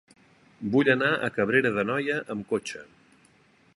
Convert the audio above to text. Vull anar a Cabrera d'Anoia amb cotxe.